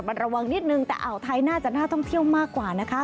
มันระวังนิดนึงแต่อ่าวไทยน่าจะน่าท่องเที่ยวมากกว่านะคะ